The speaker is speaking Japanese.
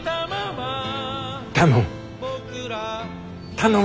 頼む。